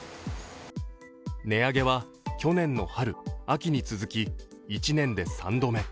値上げは去年の春、秋に続き、１年で３度目。